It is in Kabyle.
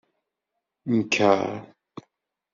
Nker.